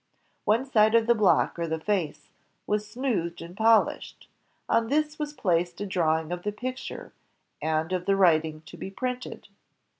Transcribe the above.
One side of the block, or the face, was smoothed and polished. On this was placed a draw ing of the picture, and of the writing to be printed.